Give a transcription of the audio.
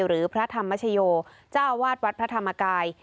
หรือพระธรรมชโยเจ้าวาดวัดพระธรรมกาย